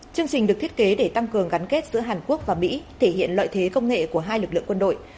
chương trình được thiết kế để tăng cường gắn kết giữa hàn quốc và mỹ thể hiện lợi thế công nghệ của hai lực lượng quân đội